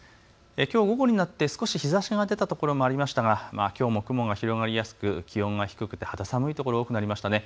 きょう午後になって少し日ざしが出た所もありましたが、きょうも雲が広がりやすく気温が低くて肌寒い所、多くなりましたね。